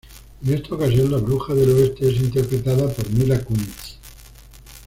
En esta ocasión, la bruja del oeste es interpretada por Mila Kunis.